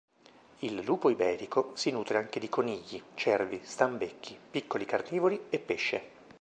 Il lupo iberico, si nutre anche di conigli, cervi, stambecchi, piccoli carnivori e pesce.